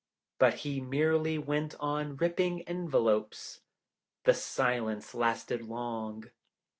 But he merely went on ripping envelopes. The silence lasted long.